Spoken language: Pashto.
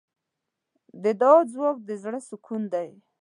د دعا ځواک د زړۀ سکون دی.